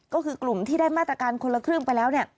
ก็คือกลุ่มที่ได้มาตรการคนละครึ่งไปแล้ว